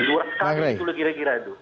di luar sekali itu kira kira itu